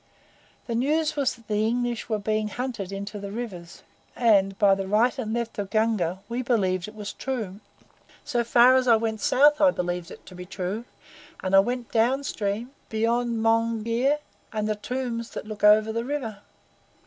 The news was that the English were being hunted into the rivers, and by the Right and Left of Gunga! we believed it was true. So far as I went south I believed it to be true; and I went down stream beyond Monghyr and the tombs that look over the river."